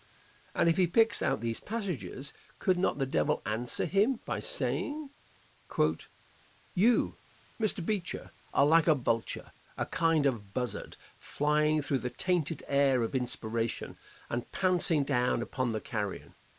And if he picks out these passages could not the Devil answer him by saying, "You, Mr. Beecher, are like a vulture, a kind of buzzard, flying through the tainted air of inspiration, and pouncing down upon the carrion.